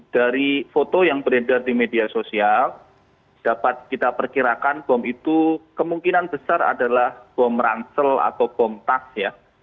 dari foto yang beredar di media sosial dapat kita perkirakan bom itu kemungkinan besar adalah bom rangsel atau bom tas ya